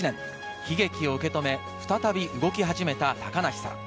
悲劇を受けとめ、再び動き始めた高梨沙羅。